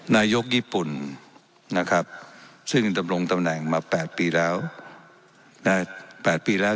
นายกญี่ปุ่นซึ่งลงตำแหน่งมา๘ปีแล้ว